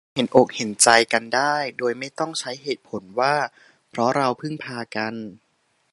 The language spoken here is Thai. เราเห็นอกเห็นใจกันได้ โดยไม่ต้องใช้เหตุผลว่า เพราะเราพึ่งพากัน